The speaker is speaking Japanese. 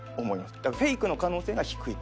だからフェイクの可能性が低いと。